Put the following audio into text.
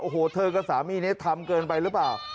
โอ้โหเธอกับสามีนี้ทำเกินไปหรือเปล่า